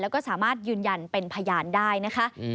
แล้วก็สามารถยืนยันเป็นพยานได้นะคะ